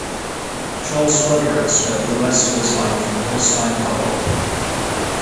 Charles Frederick spent the rest of his life in Holstein-Gottorp.